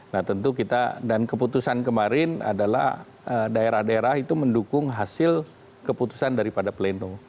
nah tentu kita dan keputusan kemarin adalah daerah daerah itu mendukung hasil keputusan daripada pleno